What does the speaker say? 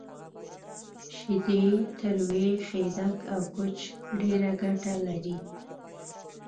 شیدې، تروی، خیدک، او کوچ ډیره ګټه لری